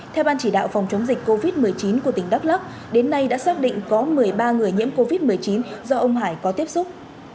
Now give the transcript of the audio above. theo ban chỉ đạo phòng chống dịch covid một mươi chín của tỉnh đắk lắc đến nay đã xác định có một mươi ba người nhiễm covid một mươi chín do ông hải có tiếp xúc